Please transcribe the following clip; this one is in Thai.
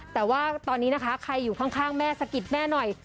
แต่ว่าตอนนี้นะคะใครอยู่ข้างแม่สะกิดแม่หน่อย